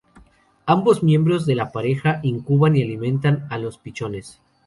Ambos miembros de la pareja incuban y alimentan a los pichones.